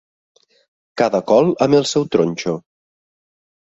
Cada col amb el seu tronxo.